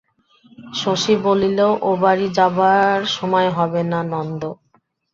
শশী বলিল, ও বাড়ি যাবার সময় হবে না নন্দ।